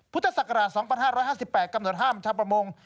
พุทธศักราช๒๕๕๘กำหนดห้ามชาวประมง